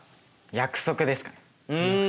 約束ですかね。